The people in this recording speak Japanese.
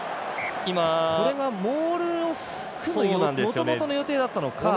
これはモールを組むというのがもともとの予定だったのか。